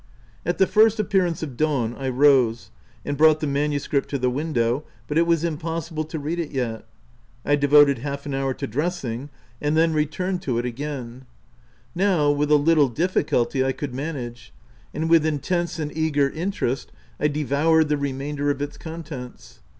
At the first appearance of dawn I rose, and brought the manuscript to the window, but it was impossible to read it yet. I devoted half an hour to dressing, and then returned to it OF WILDFELL HALL. 135 again. Now, with a little difficulty, I could manage ; and with intense and eager inter est, I devoured the remainder of its contents.